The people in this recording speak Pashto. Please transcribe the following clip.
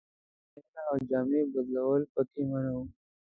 ږیره خرییل او جامې بدلول پکې منع وو.